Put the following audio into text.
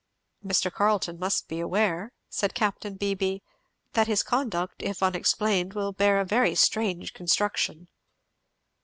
"Mr. Carleton must be aware," said Capt. Beebee, "that his conduct, if unexplained, will bear a very strange construction."